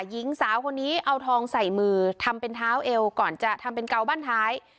หญิงสาวคนนี้เอาทองใส่มือทำเป็นเท้าเอวก่อนจะทำเป็นเกาบ้านท้าย